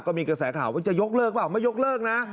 ก็มีกระแสข่าวว่าจะยกเลิกเปล่าไม่ยกเลิกนะ